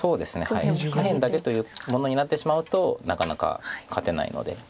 下辺だけというものになってしまうとなかなか勝てないので。